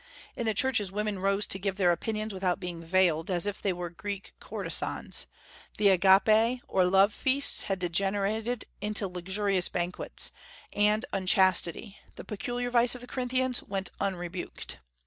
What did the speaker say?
In the churches women rose to give their opinions without being veiled, as if they were Greek courtesans; the Agapae, or love feasts, had degenerated into luxurious banquets; and unchastity, the peculiar vice of the Corinthians, went unrebuked.